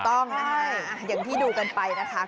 ถูกต้องอย่างที่ดูกันไปนะคะ